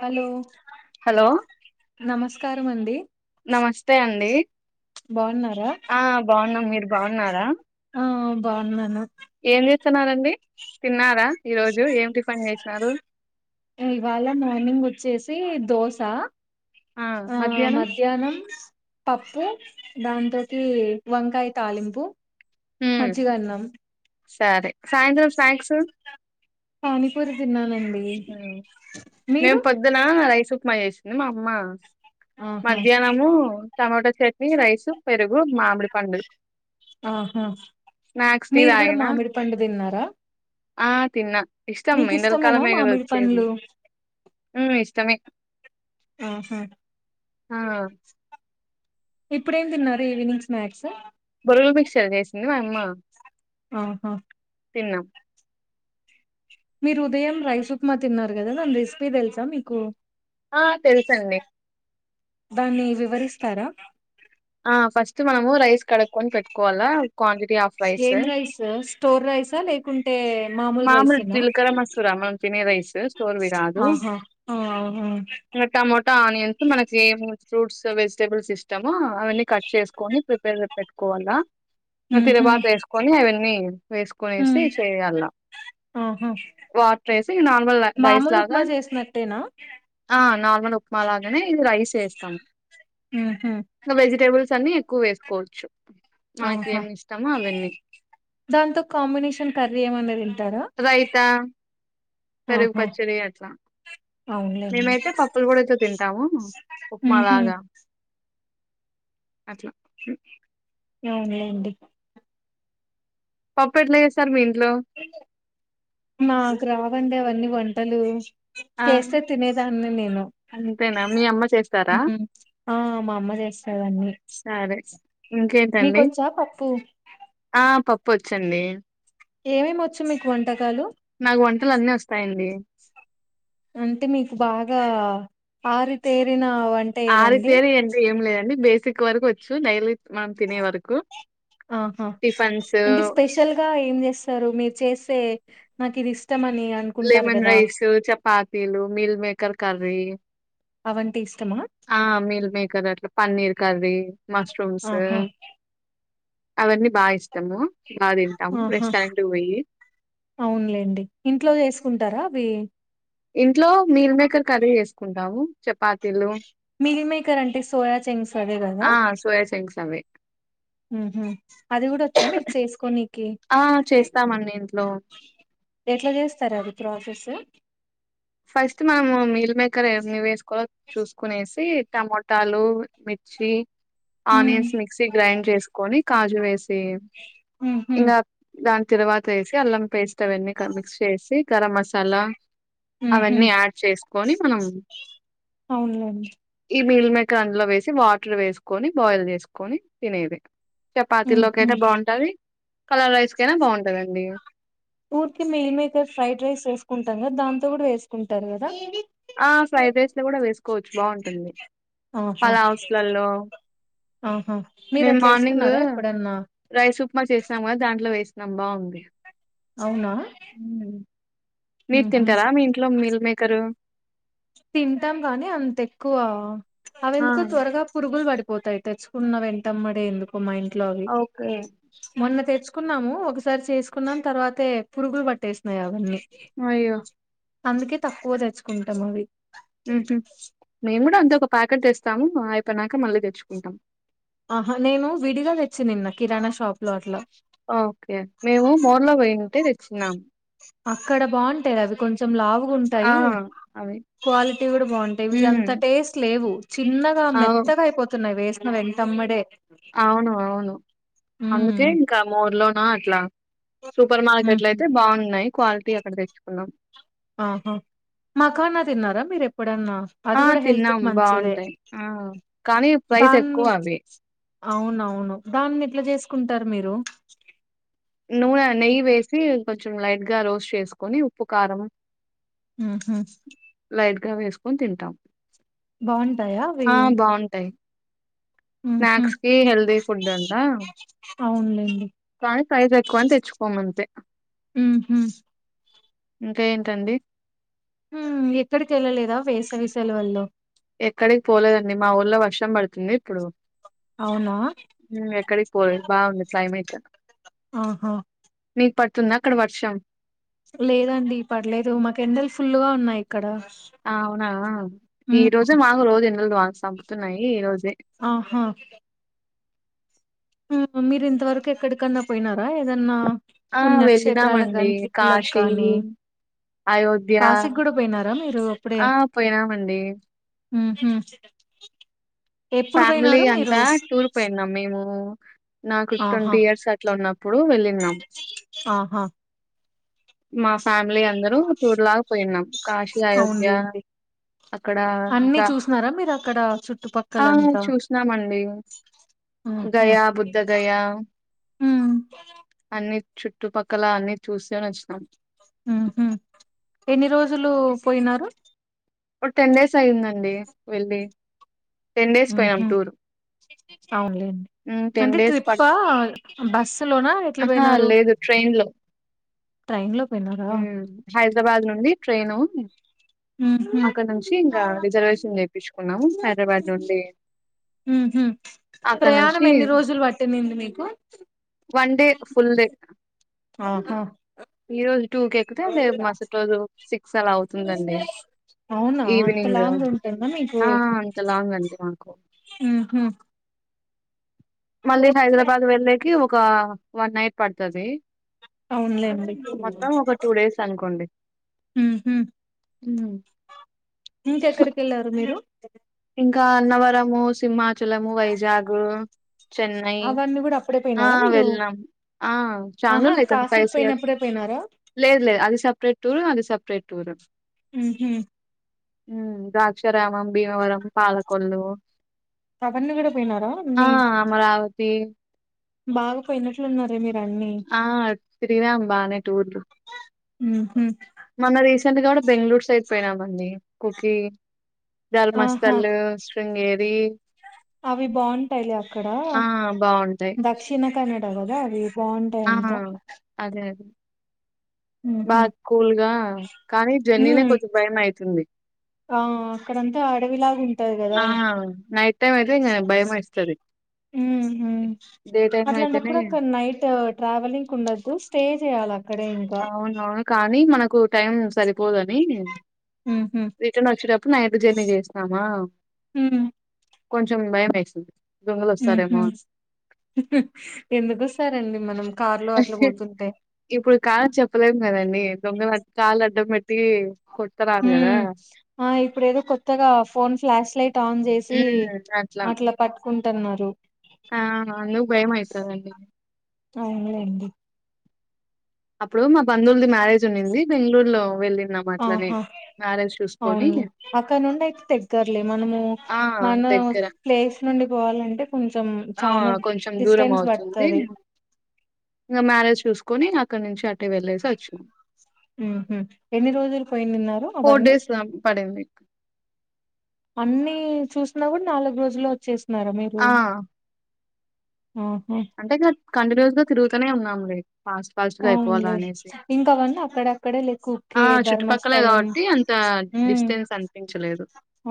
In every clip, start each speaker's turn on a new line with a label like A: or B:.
A: Hello
B: hello
A: నమస్కారం అండి
B: నమస్తే అండి
A: బాగున్నారా
B: ఆ బావున్నాం మీరు బావున్నారా?
A: బావున్నాను
B: ఏం చేస్తున్నారండి తిన్నారా, ఈ రోజు ఏం టిఫిన్ చేసినారు?
A: ఇవాళ మార్నింగ్ వచ్చేసి దోశ ఆ మధ్యాహ్నం పప్పు దాంతోకి వంకాయ తాలింపు
B: ఉమ్
A: మజ్జిగన్నం
B: సరే సాయంత్రం స్నాక్స్
A: పానీపూర్ తిన్నాలం
B: మ్ మేము పొద్దున రైస్ ఉప్మా చేసి మా అమ్మ
A: ఆహా
B: మధ్యాహ్నము టమాటా చట్నీ, రైస్, పెరుగు, మామిడి పండు
A: ఆహా
B: స్నాక్స్ టీ
A: మీరు కూడా
B: తాగిన
A: మామిడి పండు తిన్నారా?
B: ఆ తిన్నా ఇష్టమ్ యండల్ కాలమే కదా
A: పళ్లు
B: ఉ ఇష్టమే
A: ఆహా
B: ఆ
A: ఇప్పుడేం తిన్నారు ఈవినింగ్ స్నాక్స్?
B: బొరుగుల్ మిక్సర్ చేసింది మా యమ్మ
A: ఆహా
B: తిన్నాం
A: మీరు ఉదయం రైస్ ఉప్మా తిన్నారు కదా దాని రెసిపీ తెలుసా మీకు?
B: ఆ తెలుసండి
A: దాన్ని వివరిస్తారా?
B: ఆ ఫస్ట్ మనము రైస్ కడుక్కొని పెట్టుకోవాలా క్వాంటిటీ ఆఫ్
A: ఏం రైస్ స్టోర్ రైసా లేకుంటే
B: మామూలు జిల్కర మసూర మనం తినే రైసు స్టోర్వి కాదు
A: ఆహా ఆ అవునా
B: ఇగ టమోట ఆనియన్స్ మనకి ఏమో ఫ్రూట్స్ వెజిటబుల్స్ ఇష్టమో అవన్నీ కట్ చేసుకొని ప్రిపేర్ పెట్ పెట్టుకోవల
A: ఉహు
B: తరవాత ఏసుకొని అవన్నీ వేసుకొనేసి చేయాల
A: ఆహా
B: వాటర్రేసి ఇ నార్మల్ రైస్
A: మామూలు
B: లాగ
A: ఉప్మా చేసినట్టేనా
B: ఆ నార్మల్ ఉప్మా లాగనే ఇది రైస్ ఏస్తాం
A: ఉహు
B: కనీ ఎక్కువ వేసుకోవచ్చు మనకి
A: ఆహా
B: ఏమి ఇష్టమో అవన్నీ
A: దాంతో కాంబినేషన్ కర్రీ ఏమన్న తిన్
B: రైత పెరుగు
A: ఆహా
B: పచ్చడి అట్ల
A: అవునులేండి
B: మేమైతే పప్పులు పొడితో తింటాము ఉప్మా
A: ఉహు
B: లాగ అట్ల
A: అవునులేండి
B: పప్పు ఎట్ల చేస్తారు మీరు
A: మాకు రావండి అవన్నీ వంటలు
B: ఆ
A: చేస్తే తినేదాన్ని నేను
B: అంతేనా మీ అమ్మ
A: ఉ
B: చేస్తారా
A: ఉ ఆ మా అమ్మ చేస్తదండి
B: సరే ఇంకేంటండి
A: మీకొచ్చా పప్పు
B: ఆ పప్పు ఒచ్చండి
A: ఏమేమొచ్చు మీకు వంటకాలు
B: నాకు వంటలు అన్నీ అస్తయండి
A: అంటె మీకు బాగ ఆరితేరిన వంట ఏదండి
B: సిక్ వరకు వచ్చు డైలీ మనం తినే వరకు
A: ఆహా
B: టిఫన్స్
A: అంటె స్పెషల్ గ ఏం చేస్తరు మీరు చేసే నాకు ఇది ఇష్
B: లెమన్ రైసు చపాతీలు మీల్ మేకర్ కర్రీ
A: అవంటె ఇష్టమ
B: ఆ మీల్ మేకర్ అట్ల పన్నీర్ కర్రీ, మష్రూమ్స్ ఏ
A: ఆహా
B: అవన్నీ బాగ ఇష్టము బాగా తింటాము
A: ఉహు
B: రెస్టారెంట్ కి పోయి
A: అవునులేండి ఇంట్లో చేసుకుంటర అవి
B: ఇంట్లో మీల్ మేకర్ కర్రీ చేసుకుంటాము చపాతీలు
A: మిల్ మేకర్ అంటె సోయా చంగ్స్ అవే కద
B: ఆ సోయా చంక్స్ అవి
A: ఉహు అది కూడ ఒచ్చా మీరు చేసుకోనికి
B: ఆ చేస్తామండి ఇంట్లో
A: ఎట్ల చేస్తరు అది ప్రాసెస్
B: ఫస్ట్ మనము మీల్ మేకర్ ఏమి వేసుకోవాలో చూసుకునేసి టమోటాలు, మిర్చి,
A: ఉమ్
B: ఆనియన్స్, మిక్సీ గ్రైండ్ చేసుకొని కాజు వేస్
A: ఉహు
B: ఇల ఇల [inaudible] తరవాత ఏసి అల్లం పేస్ట్ అవన్నీ క మిక్స్ చేసి గరం మసాల
A: ఉహు
B: అవన్నీ యాడ్ చేసుకొని మనం
A: అవునులేండి
B: ఈ మీల్ మేకర్ అందులో వేసి వాటర్ వేసుకొని బాయిల్ చేసుకొని తినేదె చపాతి
A: ఉమ్
B: లోకి అయితే
A: ఉమ్
B: బాగుంటది కలర్ రైస్ కయిన బాగుంటదండి
A: ఊర్కె మీల్ మేకర్ ఫ్రైడ్ రైస్ చేసుకుంటం గద దాంతో గుడ వేసుకుంటరు గద
B: ఆ ఫ్రైడ్ రైస్ లో గూడ వేసుకోవచ్చు బాగుంటుంది
A: ఆహా
B: పలావ్ స్లల్లో
A: ఆహా మీరు
B: మేము
A: అట్లా
B: మార్నింగ్
A: వేసుకున్నారా ఎప్పుడన్నా
B: రైస్ ఉప్మా చేసాం గద దాంట్లో వేస్ నం బాగుంది
A: అవునా
B: మీరు
A: ఉహు
B: తింటరా మీ ఇంట్లో మీల్ మేకరు
A: తింటం గానీ అంత ఎక్కువ అవి
B: ఆ
A: ఎందుకో త్వరగా పురుగులు బడిపోతాయి తెచ్చుకున్న వెంటమ్మడే ఎందుకో మా ఇంట్లో అవి
B: ఓకే
A: మొన్న తెచ్చుకున్నాము ఒకసారి చేసుకున్నాం తర్వాతే పురుగులు పట్టేసిన్నయి అవన్నీ అందుకే తక్కువ తెచ్చుకుంటాం అవి
B: మేము గూడా అంతే ఒక ప్యాకెట్ తెస్తాము అయిపోయినాక మళ్ళీ తెచ్చుకుంటాం
A: ఆహా నేను విడిగా తెచ్చి నిన్న కిరాణ షాప్ లో అట్లా
B: ఓకే మేము మోర్ లో పోయింటే తెచ్చినాము
A: అక్కడ బాగుంటాయి అవి కొంచెం
B: ఆ
A: లావుగుంటాయి
B: అవి
A: క్వాలిటీ గూడా బాగుంటాయి ఇవి అంత
B: ఉమ్
A: టేస్ట్ లేవు చిన్నగా
B: అవు
A: మెత్తగా అయిపోతున్నాయి వేసిన వె తమ్మడే
B: అవును అవును అందుకే
A: ఉమ్
B: ఇంకా మోర్లోనా అట్లా సూపర్ మార్కెట్లు
A: ఉహు
B: అయితే బాగున్నాయి క్వాలిటీ అక్కడ తెచ్చుకున్నాం
A: ఆహా మాకన తిన్నారా మీరే ఎప్పుడన్నా అది
B: ఆ
A: గూడా హెల్త్ కి
B: తిన్నాం
A: మంచిదే
B: బాగుంటాయి ఆ కానీ ప్రైస్
A: దాన్ని
B: ఎక్కువ అవి
A: అవునవును దాన్ని ఎట్లా జేసుకుంటారు మీరు
B: నూనె నెయ్యి వేసి కొంచెం లైట్ గా రోస్ట్ చేసుకొని ఉప్పు కారం
A: ఆహా
B: లైట్ గా వేసుకొని తింటాం
A: బాగుంటాయా అవి
B: ఆ బాగుంటాయి
A: ఉహు
B: స్నాక్స్ కి హెల్దీ ఫుడ్ అంతా
A: అవునులేండి
B: కానీ ప్రైజ్ ఎక్కువని తెచ్చుకోమంతే
A: ఉహు
B: ఇంకా ఏంటండి
A: మ్ ఎక్కడికి వెళ్ళలేదా వేసవిసెలవల్లో
B: ఎక్కడికి పోలేదండి మా ఊర్లో వర్షం బడుతుంది ఇప్పుడు
A: అవునా
B: ఎక్కడికి పోలేదు బాగుంది క్లైమేట్
A: ఆహా
B: మీకు పడుతుందా అక్కడ వర్షం
A: లేదండి పడలేదు మాకు ఎండలు ఫుల్ గా ఉన్నాయి ఇక్కడ
B: అవునా ఈ
A: ఉమ్
B: రోజే మాకు రోజు దవా చంపుతున్నాయి ఈ రోజు
A: ఆహా మీరు ఇంతవరకు ఎక్కడికన్నా పోయినారా ఏదన్నా
B: ఆ
A: పుణ్యక్షేత్రాలకు
B: వెళ్ళినామండి
A: గానీ ట్రిప్పులకు
B: కాశీ
A: కానీ
B: అయోధ్య
A: కాశీ గూడా పోయినారా మీరు అప్పుడే
B: ఆ పోయినామండి
A: హుహు
B: ఫ్యామిలీ అంతా టూర్ పోయినం మేము నాకు
A: ఆహా
B: ట్వంటీ ఇయర్స్ అట్లా ఉన్నప్పుడు వెళ్ళినం
A: ఆహా
B: మా ఫ్యామిలీ అందరూ టూర్ లా పోయిన్నాం కాశీ అయోధ్య
A: అవునులేండి
B: అక్కడ
A: అన్ని
B: ఇంకా
A: చూసినారా మీరు అక్కడ
B: ఆ
A: చుట్టుపక్కలంతా
B: చూసినామండి
A: ఆహా
B: దయా బుద్ధ గయా
A: హ్మ్
B: అన్ని చుట్టుపక్కల అన్ని చూసేవచ్చి
A: హుహు ఎన్ని రోజులు పోయినారు
B: ఒక టెన్ డేస్ అయ్యిందండి వెళ్ళి టెన్ డేస్ పోయ్నం
A: ఉహు
B: టూర్
A: అవునులేండి
B: హ్మ్.
A: అంటే
B: డేస్ పడుత్
A: ట్రిప్పా బస్సు లోనా ఎట్లా
B: అహా!
A: పోయినారు
B: లేదు ట్రైన్‌లో.
A: ట్రైన్ లో పోయినారా
B: హైదరాబాద్ నుండి ట్రైను
A: ఉహు
B: అక్కడ నుంచి ఇంకా రిజర్వేషన్ చేయించుకున్నాము హైదరాబాద్ నుండి అక్కడ
A: ప్రయాణం
B: నుంచి
A: ఎన్ని రోజులు పట్టిందండి మీకు
B: వన్ డే ఫుల్ డే
A: ఆహా
B: ఈ రోజు టూకి ఎక్కితే మేము మరుసటి రోజు సి క్స్ అలా అవుతుందండి.
A: అవునా అంత
B: ఈవినింగ్
A: లాంగ్ ఉంటుందా
B: ఆ అంతలాంగ్ అండి మాకు
A: ఆహ
B: మళ్ళీ హైదరాబాద్ వెళ్ళేకి ఒక వన్ నైట్ పడుతది.
A: అవునులేండి
B: మొత్తం ఒక టూ డేస్ అనుకోండి.
A: ఆహ
B: హ్మ్.
A: ఇంకెక్కడికి వెళ్లారు మీరు?
B: ఇంకా అన్నవరము, సింహాచలము, వైజాగ్, చెన్నై
A: అవన్నీ కూడా అప్పుడే
B: ఆ
A: పోయినారా మీరు
B: వెళ్ళినం ఆ చాల
A: ఆహా
B: రోజులు అయితుంది ఫైవ్
A: కాశీకి
B: సియర్
A: పోయినప్పుడే పోయినారా
B: లేదు లేదు అది సపరేట్ టూర్, అది సపరేట్
A: అహ
B: మ్ ద్రాక్షారామం, భీమవరం, పాలకొల్లు
A: అవన్నీ కూడా పోయినారా అన్ని
B: దే
A: బాగా పోయినట్లున్నారే మీరు? అన్ని
B: ఆ తిరిగినం బానే టూర్లు
A: ఉహు
B: మన రీసెంట్ గా కూడా బెంగళూరు సైడ్ పోయినామండి కుకి
A: ఆహా
B: ధర్మస్తళ్ళు, శృంగేరి
A: అవి బావుంటాయిలే అక్కడ
B: ఆ! బావుంటాయి.
A: దక్షిణ కన్నడ కదా అవి బావుంటాయి
B: ఆ!
A: ఎంత
B: బాకూల్గా
A: ఆహు ఆ అక్కడంతా అడవిలాగా ఉం
B: ఆ నైట్ టైమ్ అయితే భయ మస్తది
A: ఆహ
B: అయితేనే
A: అట్లాంటపుడు ఒక నైట్ ట్రావెలింగ్ ఉండద్దు స్టే చేయాలి అక్కడే ఇంకా
B: అవునవును కానీ మనకు టైం సరిపోదుని
A: ఉహు
B: రిటర్న్ వచ్చేటప్పుడు నైట్ జర్నీ చేసినామా
A: ఉమ్
B: కొంచెం భయం వేస్తుంది. దొంగలు వస్తారేమో
A: ఉహు ఎందుకుస్తారండి మనం కార్లో అట్లా పోతుంటే
B: కాల చెప్పలేము కదండి దొంగలు కార్లు అడ్డం పెట్టి కొడతరారు కదా
A: మ్ ఆ ఇప్పుడు ఏదో కొత్తగా ఫోన్ ఫ్లాష్ లై టాన్ చేసి అట్లా పట్టుకుంటున్నారు.
B: ఆ ఆల్లు భయంమైతదండి.
A: అవును అండి
B: అప్పుడు మా బంధువులది మ్యారేజ్ ఉండుంది. బెంగళూరు లో వెళ్ళినం అట్లనే
A: ఆహా
B: మ
A: అవునులే అక్కడ నుండి అయితే తగ్గర్లే మనము
B: ఆ
A: మన
B: దగ్గర
A: ప్లేస్ నుండి పో వాలంటే కొంచెం
B: ఆ
A: చాలా
B: కొంచెం
A: డిస్టెన్స్ పడుతది.
B: ఇంకా మ్యారేజ్ చూసుకొని అక్కడి నుంచి అటే వెళ్ళేసి వచ్చిను
A: ఆహ ఎన్ని రోజులు పోయి నిన్నారు
B: ఫోర్
A: అవన్ని?
B: డేస్ పడింది
A: అన్ని చూసినా కూడా నాలుగు రోజుల్లో వచ్చేస్తున్నారా మీరు? ఆహా
B: అంతే కాదు కంటిన్యూజగా తిరుగుతూనే ఉన్నాములే పాస్ట్ పాస్ట్ గా అయిపోవాల
A: అవునులే
B: అనేసి
A: ఇంకా అవన్నీ అక్కడక్కడే లైక్ ఉకే
B: ఆ చుట్టుపక్కలే
A: ధర్మస్థలం
B: కాబట్టి అంత ఆ డిస్టెన్స్ అనిపించలేదు.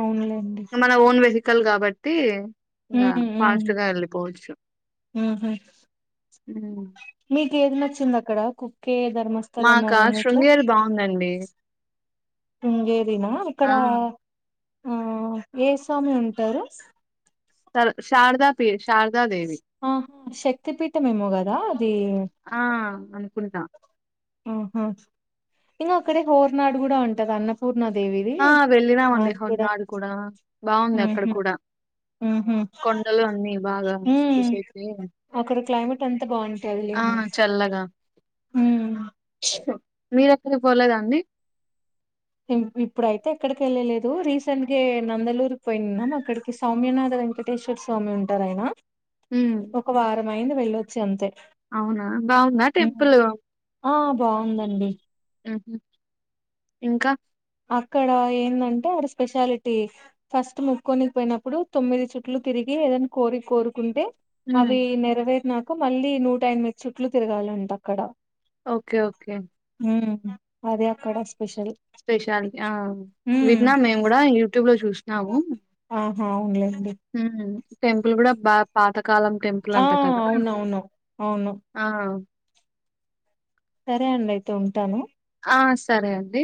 A: ఔన్లేండి
B: కల్ గాబట్టీ ఇంగ ఫాస్ట్ గా యెళ్ళిపోవచ్చు
A: ఊహు
B: ఉ
A: ఇక్కడ కుక్కే ధర్మస్థలం
B: మాకా
A: అవ్వన్నట్లు
B: శృంగేరి బాగుందండి
A: ఉండేదినా
B: ఆ
A: అక్కడా ఆ ఏ స్వామి ఉంటరు
B: తల్ షాడ్దాపి శార్దాదేవి
A: ఆహా శక్తిపీఠం ఏమో కదా అది
B: ఆ అన్కుంట
A: ఊహు ఇంగ అక్కడే హోర్నాడు గుడా ఉంటది అన్న
B: ఆ వెళ్ళినామండి హొన్నాడ్ కుడా బాంది అక్కడ
A: ఉహు
B: కూడా
A: ఉహు
B: కొండలు అన్ని బాగా
A: ఉమ్
B: చూసేకీ
A: అక్కడ క్లైమేట్ అంతా బాగుంటదిలే
B: ఆ చల్లగా
A: ఉమ్.
B: మీరెక్కడ్కి పోలేదాండి
A: ఇన్ ఇప్పుడైతె ఎక్కడికెళ్ళలేదు రీసెంట్గే నందలూరు పోయ్న్నామక్కడికి సామ్యునాథ వెంకటేశ్వర స్వామి ఉంటారాయన
B: ఉమ్
A: ఒక వారమైంది వెళ్ళొచ్చి అంతె
B: అవునా బాగుందా
A: ఉమ్
B: టెంపుల్
A: ఆ బాందండి
B: ఊహు ఇంక
A: అక్కడా ఏందన్ టో ఆడ స్పెషాలిటీ ఫస్ట్ ముక్కోనికి పోయ్నప్పుడు తొమ్మిది చుట్లు తిరిగి ఏదైన్ కోరిక్కోరుకుంటె
B: హ్మ్.
A: అవీ నెరవేర్నాక మళ్ళీ నూట ఎన్మిది చుట్లు తిరగాలంటక్కడ
B: ఒక్కె ఒక్కె
A: ఊమ్ అదే అక్కడ స్పెషల్
B: స్పెషాల్టి ఆ
A: ఉమ్.
B: విన్నాం మేమ్ గుడా యువ్టూబ్ లొ చూష్నాము
A: ఒహొ ఔన్లె
B: ఊమ్ టెంపుల్ గుడా బా పాత కాలం
A: ఆ
B: టెంపులంట కదా
A: అవునవును అవును
B: ఆ
A: సరే అండి ఐతె ఉంటాను
B: ఆ సరే అండి